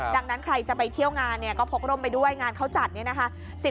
ดังนั้นใครจะไปเที่ยวงานเนี่ยก็พกร่มไปด้วยงานเขาจัดเนี่ยนะคะ